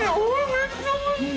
めっちゃおいしい！